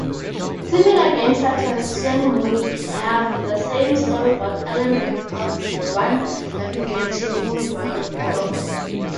Similar games such as Shenmue have the same storyboard element, of one navigatable world.